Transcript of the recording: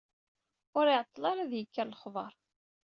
Ur iɛeṭṭel ara yekker lexber.